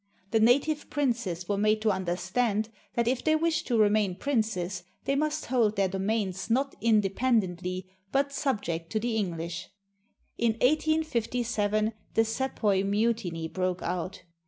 The native princes were made to understand that if they wished to remain princes, they must hold their domains not independently, but subject to the English. In 1857, the Sepoy Mutiny broke out.